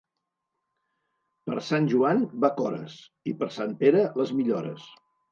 Per Sant Joan, bacores, i per Sant Pere, les millores.